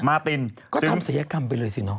มาตินจึงก็ทำเสียกรรมไปเลยสิเนอะ